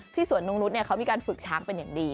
สวนนุ่งนุษย์เขามีการฝึกช้างเป็นอย่างดี